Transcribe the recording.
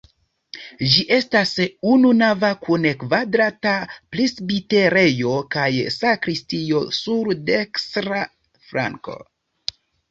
Ĝi estas ununava kun kvadrata presbiterejo kaj sakristio sur dekstra flanko.